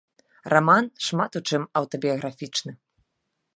Раман шмат у чым аўтабіяграфічны.